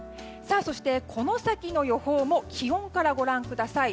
そして、この先の予報も気温からご覧ください。